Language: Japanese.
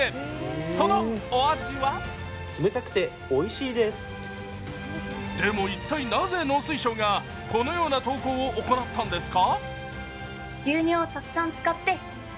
そのお味はでも、一体なぜ農水省がこのような投稿を行ったんですか？